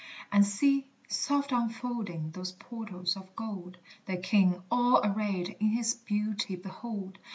And see, soft unfolding those portals of gold, The King all arrayed in his beauty behold!